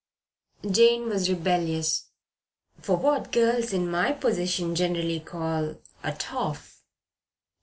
Jane was rebellious. "For what girls in my position generally call a 'toff.'